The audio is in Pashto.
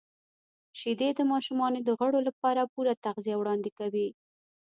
•شیدې د ماشومانو د غړو لپاره پوره تغذیه وړاندې کوي.